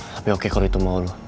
tapi oke kalau itu mau